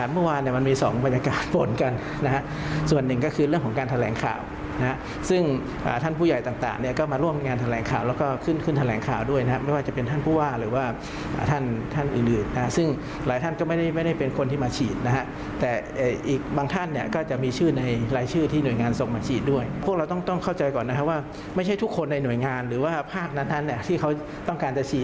พวกเราต้องเข้าใจก่อนนะครับว่าไม่ใช่ทุกคนในหน่วยงานหรือว่าภาคนั้นที่เขาต้องการจะฉีด